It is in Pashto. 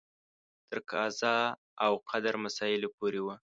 تر قضا او قدر مسایلو پورې و.